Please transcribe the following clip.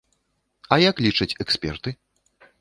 А як лічаць эксперты?